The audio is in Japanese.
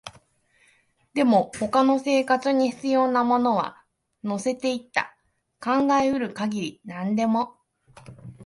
でも、他の生活に必要なものは乗せていった、考えうる限り何でも